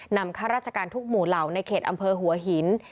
ข้าราชการทุกหมู่เหล่าในเขตอำเภอหัวหิน